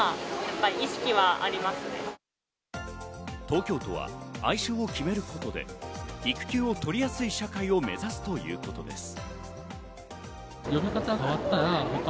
東京都は愛称を決めることで育休を取りやすい社会を目指すということです。